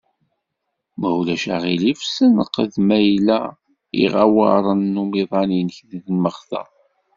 Ma ulac aɣilif senqed ma yella iɣewwaṛen n umiḍan-inek d imeɣta.